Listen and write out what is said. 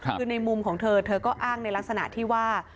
คือในมุมของเธอเธอก็อ้างในลักษณะที่ว่า